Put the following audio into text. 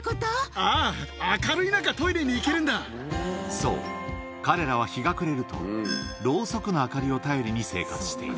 ああ、明るい中、トイレに行そう、彼らは日が暮れると、ろうそくの明かりを頼りに生活している。